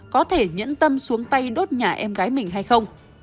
có thể nhẫn tâm xuống tay đốt nhà em gái mình hay không